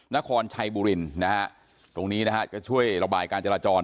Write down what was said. นครชัยบูรินนะครับตรงนี้นะครับก็ช่วยระบายการจรจร